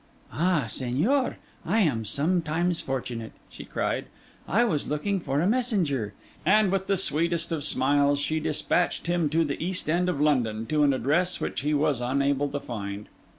'Ah, Señor, I am sometimes fortunate!' she cried. 'I was looking for a messenger;' and with the sweetest of smiles, she despatched him to the East End of London, to an address which he was unable to find.